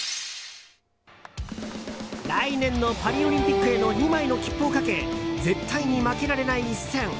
来年のパリオリンピックへの２枚の切符をかけ絶対に負けられない一戦。